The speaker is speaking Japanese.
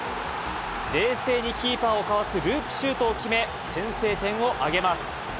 冷静にキーパーをかわすループシュートを決め、先制点を挙げます。